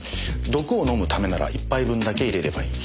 毒を飲むためなら１杯分だけ淹れればいい。